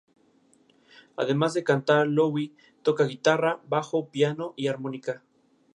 Además de cantar, Lowe toca guitarra, bajo, piano y armónica.